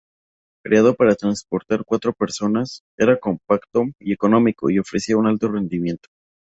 Creado para transportar cuatro personas, era compacto y económico y ofrecía un alto rendimiento.